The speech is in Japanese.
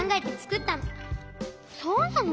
そうなの？